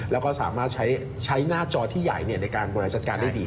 แล้วก็สามารถใช้หน้าจอที่ใหญ่ในการบริหารจัดการได้ดี